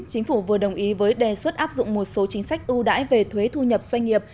chính phủ vừa đồng ý với đề xuất áp dụng một số chính sách ưu đãi về thuế thu nhập doanh nghiệp